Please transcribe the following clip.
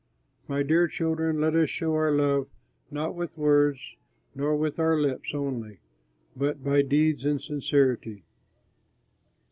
My dear children, let us show our love not with words nor with our lips only, but by deeds and sincerity.